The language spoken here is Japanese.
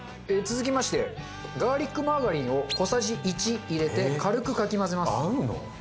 続きましてガーリックマーガリンを小さじ１入れて軽くかき混ぜます。